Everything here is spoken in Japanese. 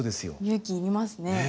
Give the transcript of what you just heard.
勇気要りますね。